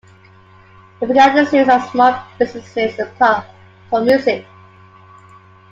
He began a series of small businesses apart from music.